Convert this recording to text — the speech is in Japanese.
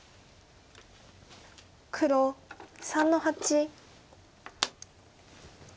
黒３の八。